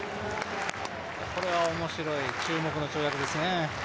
これは面白い、注目の跳躍ですね。